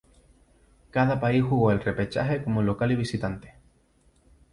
Cada país jugó el repechaje como local y visitante.